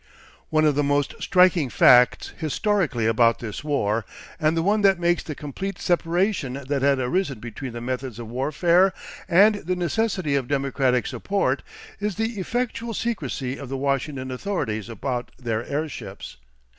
One of the most striking facts historically about this war, and the one that makes the complete separation that had arisen between the methods of warfare and the necessity of democratic support, is the effectual secrecy of the Washington authorities about their airships.